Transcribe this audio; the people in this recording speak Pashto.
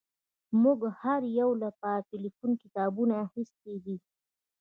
موږ د هر یو لپاره د ټیلیفون کتابونه اخیستي دي